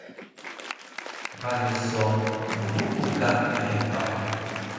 Bale so thmuku ka phepah